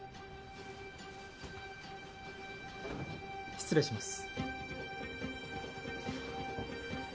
失礼します。